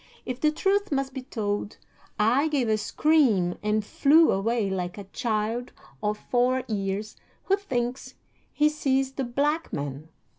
If the truth must be told, I gave a scream and flew away like a child of four years who thinks he sees the Black Man.